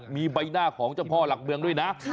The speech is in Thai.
มีใบหน้าของเจ้าพ่อหลักเมืองด้วยนะ